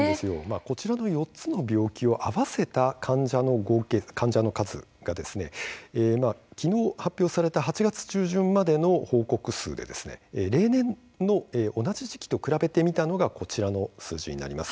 こちらの４つの病気を合わせた患者の数が昨日、発表された８月中旬までの報告数で例年の同じ時期と比べてみたのがこちらの数字になります。